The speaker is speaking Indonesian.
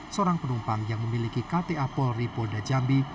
seorang penumpang yang memiliki kta polri polda jambi